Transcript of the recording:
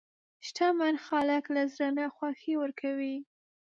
شتمن خلک له زړه نه خوښي ورکوي.